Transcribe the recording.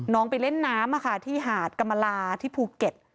ไปเล่นน้ำที่หาดกรรมลาที่ภูเก็ต